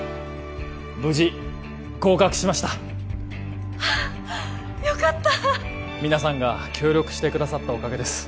無事合格しましたあっよかった皆さんが協力してくださったおかげです